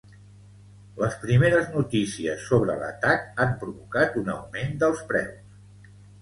Les primeres notícies sobre l’atac han provocat un augment dels preus.